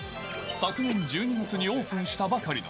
昨年１２月にオープンしたばかりの、